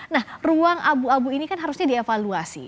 nah ruang abu abu ini kan harusnya dievaluasi